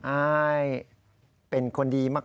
อายเป็นคนดีมาก